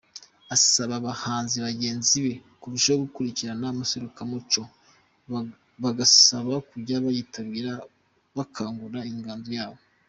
Asaba abahanzi bagenzi be kurushaho gukurikirana amaserukiramuco bagasaba kujya bayitabira bakangura inganzo yabo.